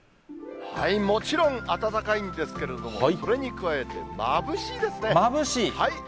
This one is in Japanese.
もちろん、暖かいんですけれども、それに加えて、まぶしいですね。